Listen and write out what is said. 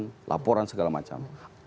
gugatan laporan segala macam